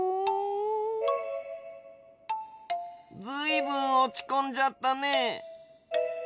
ずいぶんおちこんじゃったね。